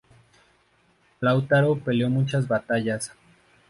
Lautaro peleó muchas batallas.